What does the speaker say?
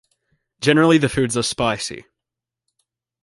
Generally the foods are spicy.